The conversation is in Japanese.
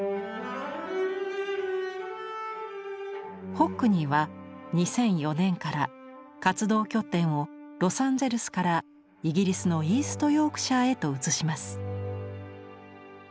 ホックニーは２００４年から活動拠点をロサンゼルスからイギリスのイースト・ヨークシャーへと移します。